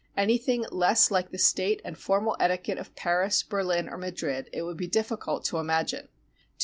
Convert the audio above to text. Any thing less like the state and formal etiquette of Paris, Berlin, or Madrid, it would be difficult to imagine.